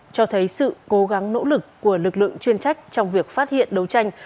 cho thấy sự cố gắng nỗ lực của lực lượng chuyên trách trong việc phát hiện đấu tranh